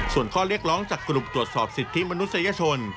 ส่วนข้อเรียกร้องจากกลุ่มตรวจสอบสิทธิมนุษยชน